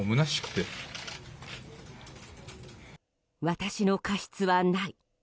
私の過失はない。